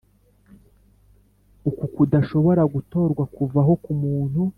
Uko kudashobora gutorwa kuvaho ku muntu